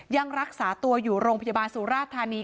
ยังรักษาตัวอยู่โรงพยาบาลสุราธานี